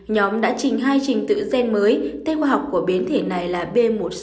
nhóm đã chỉnh hai trình tự gen mới tên khoa học của biến thể này là b một sáu nghìn bốn trăm linh hai